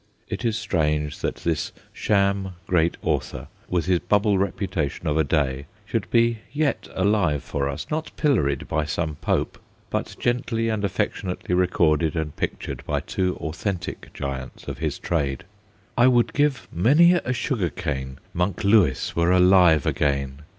It is strange that this sham great author, with his bubble reputation of a day, should be yet alive for us, not pilloried by some Pope, but gently and affectionately recorded and pictured by two authentic giants of his trade. ' I would give many a sugar cane, Monk Lewis were alive again